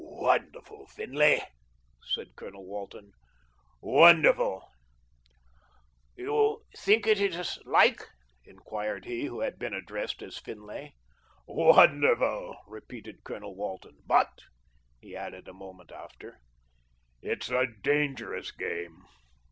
"Wonderful, Finlay," said Colonel Walton. "Wonderful." "You think it is like?" enquired he who had been addressed as Finlay. "Wonderful," repeated Colonel Walton, "but," he added a moment after, "it's a dangerous game."